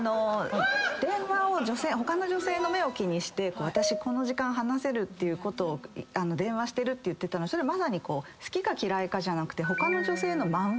電話を他の女性の目を気にして私この時間話せるってことを電話してるって言ってたのそれまさに好きか嫌いかじゃなくて。